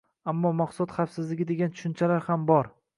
Ammo mahsulot xavfsizligi degan tushunchalar ham bor